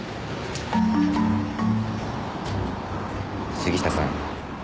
杉下さん。